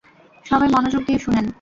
সবাই মনোযোগ দিয়ে শুনেন!